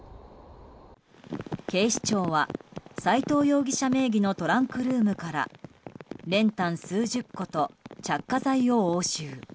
警視庁は、齋藤容疑者名義のトランクルームから練炭数十個と着火剤を押収。